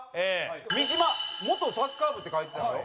三島「元サッカー部」って書いてたよ。